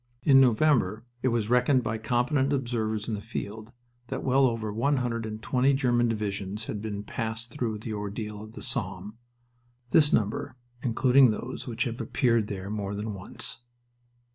In November it was reckoned by competent observers in the field that well over one hundred and twenty German divisions had been passed through the ordeal of the Somme, this number including those which have appeared there more than once.